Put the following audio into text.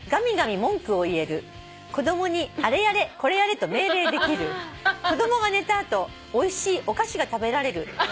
「子供にあれやれこれやれと命令できる」「子供が寝た後おいしいお菓子が食べられる」